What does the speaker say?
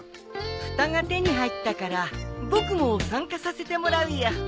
ふたが手に入ったから僕も参加させてもらうよ。